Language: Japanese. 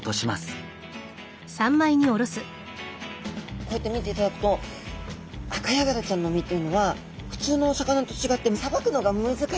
こうやって見ていただくとアカヤガラちゃんの身っていうのは普通のお魚と違ってさばくのが難しいお魚なんですね。